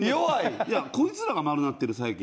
いやこいつらが丸なってる最近。